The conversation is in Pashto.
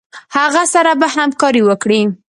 هغه سره به همکاري وکړي.